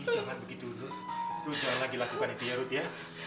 jangan lagi lakukan itu ya rudy ya